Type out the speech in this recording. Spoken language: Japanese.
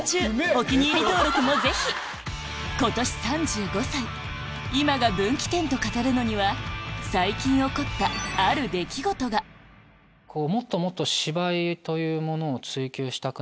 お気に入り登録もぜひ今年３５歳「今が分岐点」と語るのには最近起こったある出来事が側面もあって。